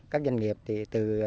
các doanh nghiệp thì từ